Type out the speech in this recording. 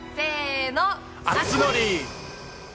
熱盛！